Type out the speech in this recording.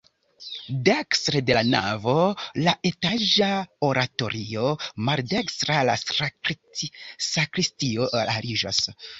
Dekstre de la navo la etaĝa oratorio, maldekstre la sakristio aliĝas.